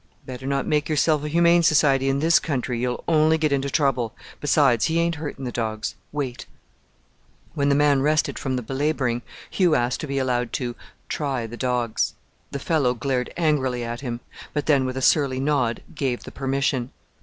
"Better not make yourself a Humane Society in this country; you'll only get into trouble besides, he ain't hurting the dogs: wait!" When the man rested from the belabouring, Hugh asked to be allowed to "try the dogs." The fellow glared angrily at him; but then, with a surly nod, gave the permission.